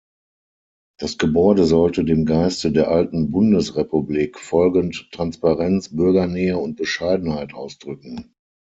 Das Gebäude sollte dem Geiste der alten Bundesrepublik folgend Transparenz, Bürgernähe und Bescheidenheit ausdrücken.